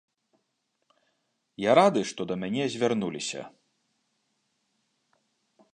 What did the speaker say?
Я рады, што да мяне звярнуліся.